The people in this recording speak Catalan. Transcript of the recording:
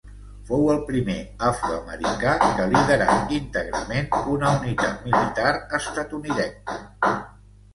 Fou el primer afroamericà que liderà íntegrament una unitat militar estatunidenca.